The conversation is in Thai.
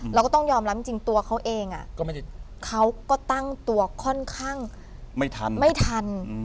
เราก็ต้องยอมรับจริงตัวเขาเองเขาก็ตั้งตัวค่อนข้างไม่ทันไม่ทัน